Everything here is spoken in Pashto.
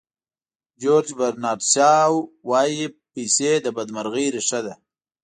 جیورج برنارد شاو وایي پیسې د بدمرغۍ ریښه ده.